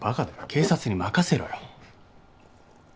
警察に任せろよ。